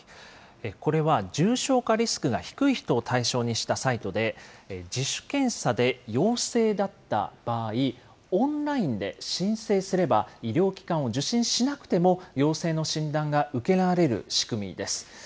これは、重症化リスクが低い人を対象にしたサイトで、自主検査で陽性だった場合、オンラインで申請すれば、医療機関を受診しなくても陽性の診断が受けられる仕組みです。